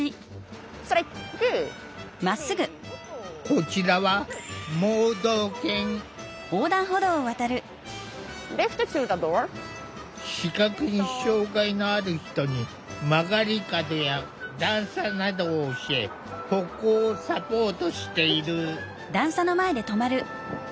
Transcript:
こちらは視覚に障害のある人に曲がり角や段差などを教え歩行をサポートしている。